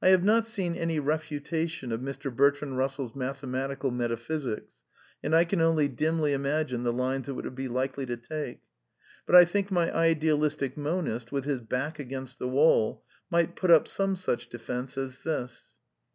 I have not seen any refutation of Mr. Bertrand Bus sell's mathematical metaphysics, and I can only dimly imagine the lines it would be likely to take. But I think my idealistic monist, with his back against the waU, might put up some such defence as this.